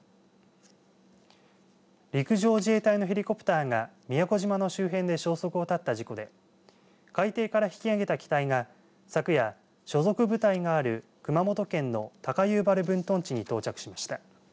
陸上自衛隊のヘリコプターが宮古島の周辺で消息を絶った事故で海底から引きあげた機体が昨夜、所属部隊がある熊本県の高遊原分屯地に到着しました。